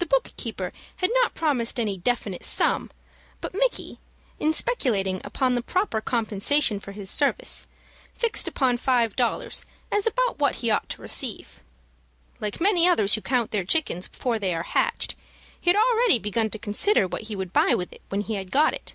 The book keeper had not promised any definite sum, but Micky, in speculating upon the proper compensation for his service, fixed upon five dollars as about what he ought to receive. Like many others who count their chickens before they are hatched, he had already begun to consider what he would buy with it when he had got it.